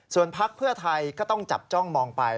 ส่วนพักเพื่อไทยก็ต้องจับจ้องมองไป